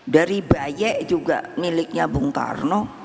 dari baye juga miliknya bung karno